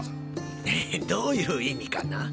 えどういう意味かな？